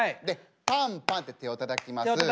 でパンパンって手をたたきます。